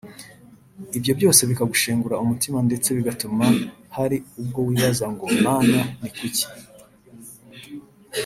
ibyo byose bikagushengura umutima ndetse bigatuma hari ubwo wibaza ngo “Mana ni kuki